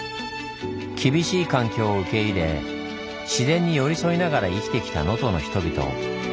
厳しい環境を受け入れ自然に寄り添いながら生きてきた能登の人々。